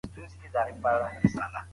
جانانه! څه درته